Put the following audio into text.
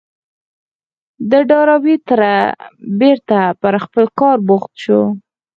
د ډاربي تره بېرته پر خپل کار بوخت شو.